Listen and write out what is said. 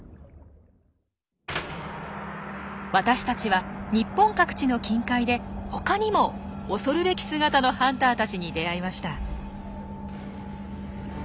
私たちは日本各地の近海でほかにも恐るべき姿のハンターたちに出会いました。